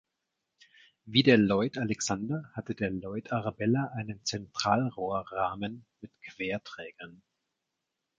Wie der Lloyd Alexander hatte der Lloyd Arabella einen Zentralrohrrahmen mit Querträgern.